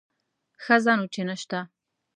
ښه ځه نو چې نه شته.